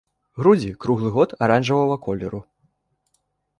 Грудзі круглы год аранжавага колеру.